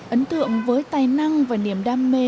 ấn tượng với tài năng và niềm đam